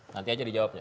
nanti aja dijawabnya